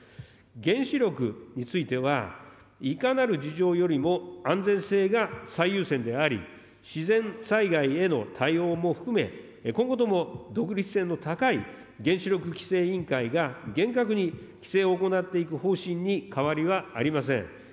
原子力については、いかなる事情よりも安全性が最優先であり、自然災害への対応も含め、今後とも独立性の高い原子力規制委員会が厳格に規制を行っていく方針に変わりはありません。